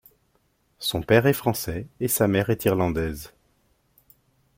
Son père est français et sa mère est irlandaise.